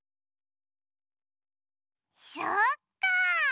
そっかあ！